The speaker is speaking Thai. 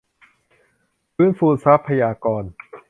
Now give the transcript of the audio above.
ฟื้นฟูทรัพยากร